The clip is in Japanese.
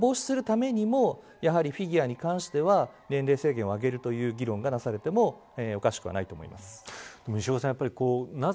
これを防止するためにもフィギュアに関しては年齢制限を上げるという議論がなされてもおかしくないと思います。